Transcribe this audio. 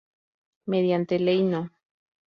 Mediante Ley No.